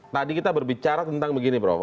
tadi kita berbicara tentang begini prof